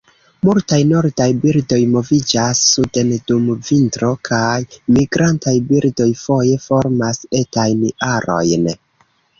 Multaj nordaj birdoj moviĝas suden dum vintro, kaj migrantaj birdoj foje formas etajn arojn.